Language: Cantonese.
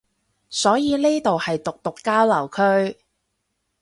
所以呢度係毒毒交流區